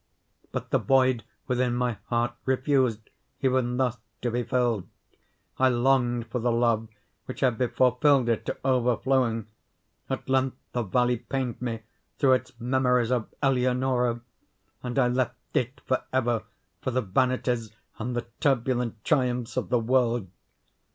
But the void within my heart refused, even thus, to be filled. I longed for the love which had before filled it to overflowing. At length the valley pained me through its memories of Eleonora, and I left it for ever for the vanities and the turbulent triumphs of the world.